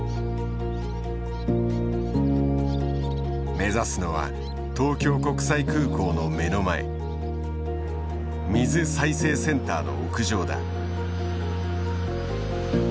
目指すのは東京国際空港の目の前水再生センターの屋上だ。